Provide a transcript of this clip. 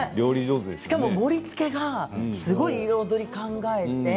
しかも盛りつけがすごい彩りを考えて。